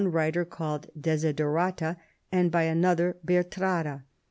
279 writer called Desiderata, and by another Bertrada.